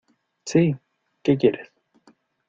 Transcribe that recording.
¡ sí!... ¿ qué quieres?